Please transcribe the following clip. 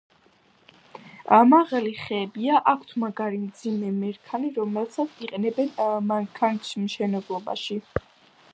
მაღალი ხეებია, აქვთ მაგარი და მძიმე მერქანი, რომელსაც იყენებენ მანქანათმშენებლობაში.